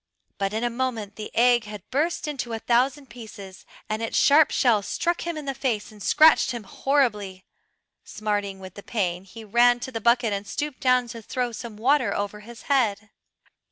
But in a moment the egg had burst into a thousand pieces, and its sharp shell struck him in the face and scratched him horribly. Smarting with pain he ran to the bucket and stooped down to throw some water over his head.